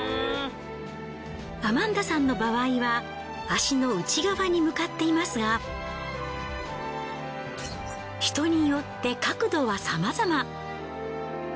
アマンダさんの場合は足の内側に向かっていますが人によって角度はさまざま。